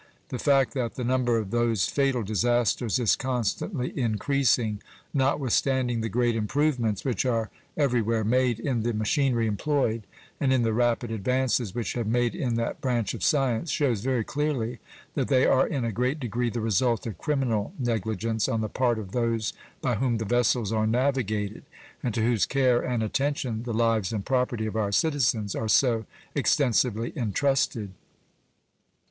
The fact that the number of those fatal disasters is constantly increasing, not withstanding the great improvements which are every where made in the machinery employed and in the rapid advances which have made in that branch of science, shows very clearly that they are in a great degree the result of criminal negligence on the part of those by whom the vessels are navigated and to whose care and attention the lives and property of our citizens are so extensively intrusted.